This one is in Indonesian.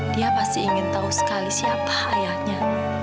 dia pasti ingin tahu sekali siapa ayahnya